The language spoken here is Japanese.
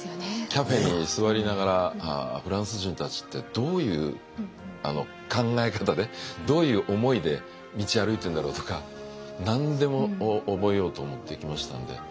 カフェに座りながら「フランス人たちってどういう考え方でどういう思いで道歩いてんだろう」とか何でも覚えようと思って行きましたんで。